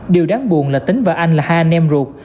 điều đáng buồn là tính và anh là hai anh em ruột